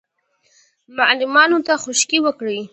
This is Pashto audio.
معلمانو ته خشکې وکړې.